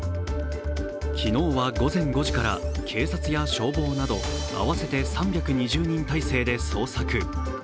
昨日は午前５時から警察や消防など合わせて３２０人態勢で捜索。